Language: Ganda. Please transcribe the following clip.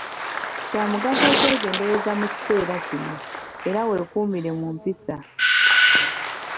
Kya mugaso okwegendereza mu kiseera kino, era weekuumire mu mpisa.